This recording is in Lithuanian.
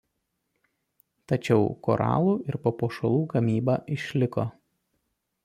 Tačiau koralų ir papuošalų gamyba išliko.